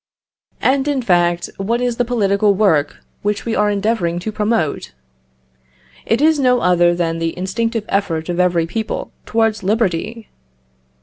And, in fact, what is the political work which we are endeavouring to promote? It is no other than the instinctive effort of every people towards liberty.